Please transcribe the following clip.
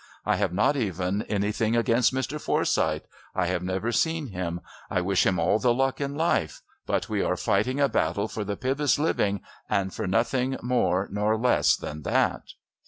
I have not even anything against Mr. Forsyth; I have never seen him I wish him all the luck in life. But we are fighting a battle for the Pybus living and for nothing more nor less than that.